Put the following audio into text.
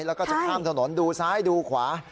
แล้วก็จะข้ามถนนดูซ้ายดูขวา